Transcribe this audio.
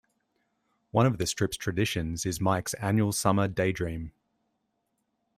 One of the strip's traditions is Mike's Annual Summer Daydream.